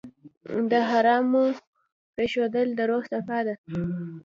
د حرامو پرېښودل د روح صفا ده.